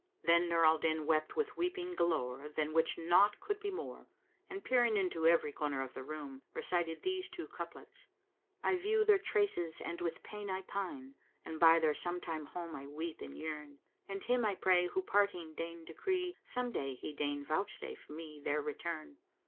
Then Nur al Din wept with weeping galore than which naught could be more; and peering into ever corner of the room, recited these two couplets, "I view their traces and with pain I pine * And by their sometime home I weep and yearn; And Him I pray who parting deigned decree * Some day He deign vouchsafe me their return!"